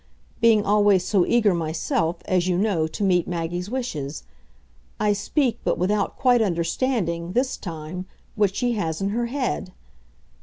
being always so eager myself, as you know, to meet Maggie's wishes. I speak, but without quite understanding, this time, what she has in her head.